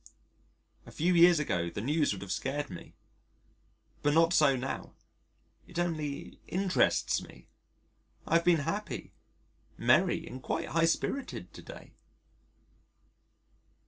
A few years ago, the news would have scared me. But not so now. It only interests me. I have been happy, merry, and quite high spirited to day.